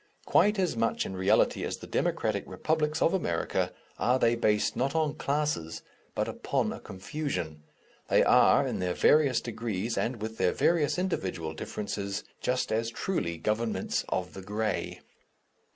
Quite as much in reality as the democratic republics of America, are they based not on classes but upon a confusion; they are, in their various degrees and with their various individual differences, just as truly governments of the grey.